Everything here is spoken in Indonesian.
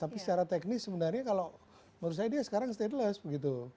tapi secara teknis sebenarnya kalau menurut saya dia sekarang stateless begitu